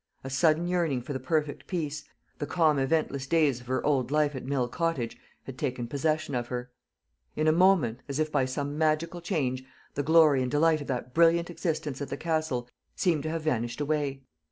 A sudden yearning for the perfect peace, the calm eventless days of her old life at Mill Cottage, had taken possession of her. In a moment, as if by some magical change, the glory and delight of that brilliant existence at the Castle seemed to have vanished away.